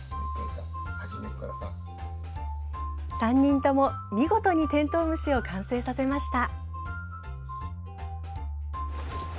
３人とも、見事にてんとう虫を完成させました！